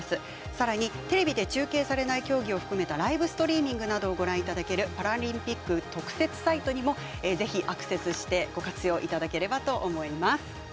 さらにテレビで中継されない競技を含めたライブストリーミングなどをご覧いただけるパラリンピック特設サイトにもぜひアクセスしてご活用いただければと思います。